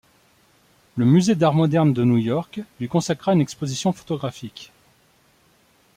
Le musée d'art moderne de New York lui consacra une exposition photographique.